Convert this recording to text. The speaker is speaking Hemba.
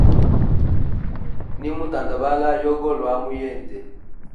Nimu tandabala yogolwa mu yende.